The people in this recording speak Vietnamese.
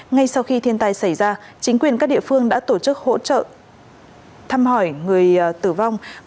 ngay sau khi thiên tai xảy ra chính quyền các địa phương đã tổ chức hỗ trợ thăm hỏi người tử vong